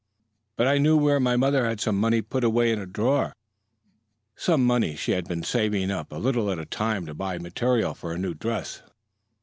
"But I knew where my mother had some money put away in a drawer some money she had been saving up a little at a time to buy the material for a new dress.